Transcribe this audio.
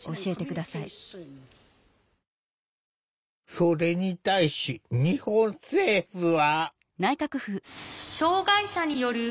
それに対し日本政府は。